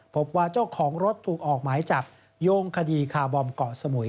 พบว่าเจ้าของรถถูกออกหมายจับโยงคดีคาร์บอมเกาะสมุย